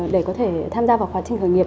để có thể tham gia vào quá trình khởi nghiệp